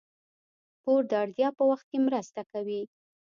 پور د اړتیا په وخت کې مرسته کوي.